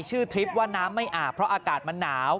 ทริปว่าน้ำไม่อาบเพราะอากาศมันหนาว